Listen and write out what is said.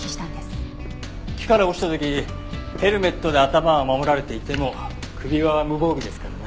木から落ちた時ヘルメットで頭は守られていても首は無防備ですからね。